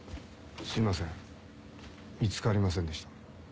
すいません見つかりませんでした。